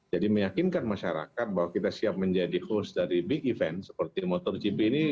jadi meyakinkan masyarakat bahwa kita siap menjadi host dari big event seperti motogp ini